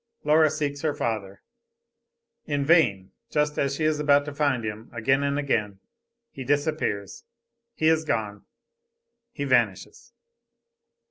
Laura seeks her father. In vain just as she is about to find him, again and again he disappears, he is gone, he vanishes.